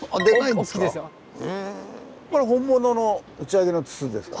これ本物の打ち上げの筒ですか？